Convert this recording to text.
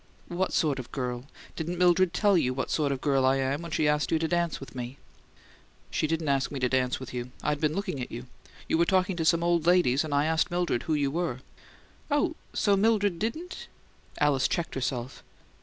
"What sort of girl? Didn't Mildred tell you what sort of girl I am when she asked you to dance with me?" "She didn't ask me to dance with you I'd been looking at you. You were talking to some old ladies, and I asked Mildred who you were." "Oh, so Mildred DIDN'T " Alice checked herself.